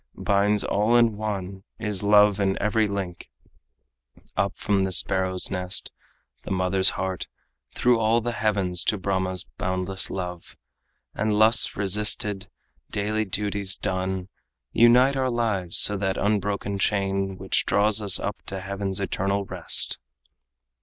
Binds all in one, is love in every link, Up from the sparrow's nest, the mother's heart, Through all the heavens to Brahma's boundless love. And lusts resisted, daily duties done, Unite our lives to that unbroken chain Which draws us up to heaven's eternal rest."